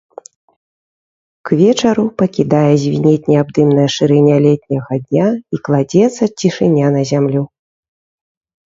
К вечару пакідае звінець неабдымная шырыня летняга дня, і кладзецца цішыня на зямлю.